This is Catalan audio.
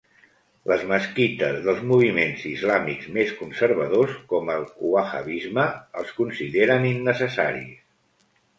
Les mesquites dels moviments islàmics més conservadors com el wahhabisme els consideren innecessaris.